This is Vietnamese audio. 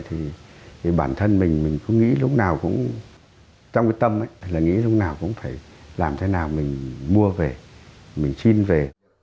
thì bản thân mình mình cứ nghĩ lúc nào cũng trong cái tâm thì là nghĩ lúc nào cũng phải làm thế nào mình mua về mình xin về